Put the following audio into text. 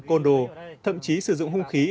côn đồ thậm chí sử dụng hung khí